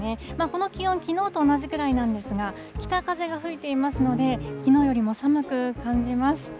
この気温、きのうと同じくらいなんですが、北風が吹いていますので、きのうよりも寒く感じます。